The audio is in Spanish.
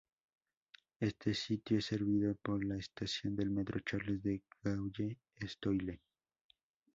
Este sitio es servido por la estación de metro Charles de Gaulle-Étoile.